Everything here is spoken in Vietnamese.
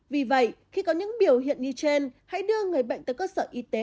vì vậy khi có những biểu hiện như trên hãy đưa người bệnh tới cơ sở y tế